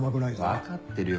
分かってるよ